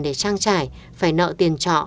để trang trải phải nợ tiền trọ